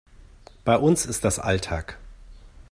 Bei uns ist das Alltag.